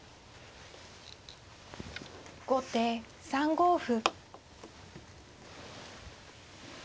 後手３五歩。